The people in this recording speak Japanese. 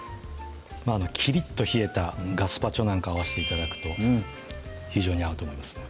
キリッと冷えたガスパチョなんかを合わして頂くと非常に合うと思いますね